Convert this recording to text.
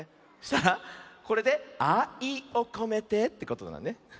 そしたらこれで「あいをこめて」ってことだね。